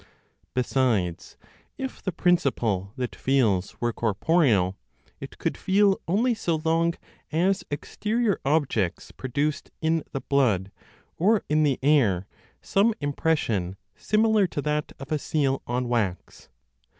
Besides, if the principle that feels were corporeal, it could feel only so long as exterior objects produced in the blood or in the air some impression similar to that of a seal on wax.